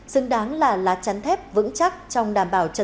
xứng đáng là lá chắn thép vững chắc